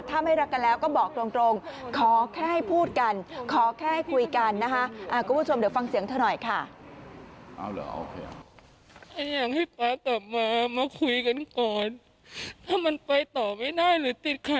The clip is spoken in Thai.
ถ้าไม่รักกันแล้วก็บอกตรงขอแค่ให้พูดกันขอแค่ให้คุยกันนะคะ